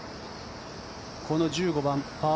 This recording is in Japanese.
この１５番、パー